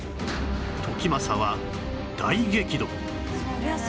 時政は大激怒！